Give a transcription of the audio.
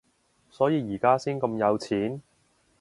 所以而家先咁有錢？